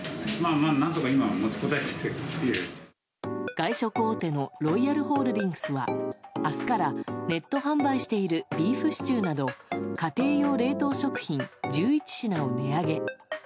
外食大手のロイヤルホールディングスは明日から、ネット販売しているビーフシチューなど家庭用冷凍食品１１品を値上げ。